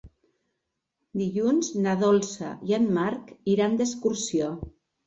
Dilluns na Dolça i en Marc iran d'excursió.